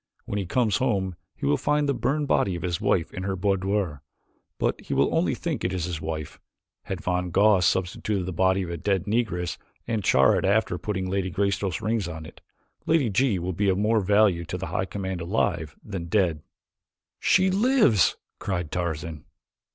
When he comes home he will find the burned body of his wife in her boudoir but he will only think it is his wife. Had von Goss substitute the body of a dead Negress and char it after putting Lady Greystoke's rings on it Lady G will be of more value to the High Command alive than dead.'" "She lives!" cried Tarzan.